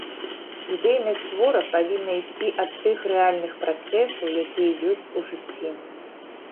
Ідэйнасць твора павінна ісці ад тых рэальных працэсаў, якія ёсць у жыцці.